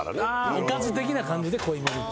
おかず的な感じで濃いめ。